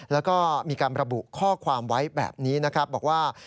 แล้วก็มีการระบุข้อความไว้แบบนี้นะครับบอกว่า